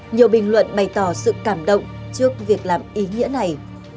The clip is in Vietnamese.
nhiều bình luận bày tỏ sự cảm động trước việc làm ý nghĩa này